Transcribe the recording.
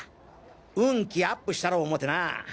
運気アップしたろぉ思てなぁ！